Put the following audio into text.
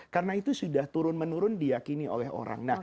karena itu sudah turun menurun diakini oleh orang